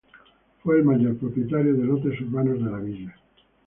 Fue el mayor propietario de lotes urbanos de la villa.